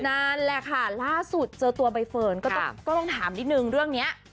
นั่นแหละค่ะล่าสุดเจอตัวใบเฟิร์นก็ต้องถามนิดนึงเรื่องนี้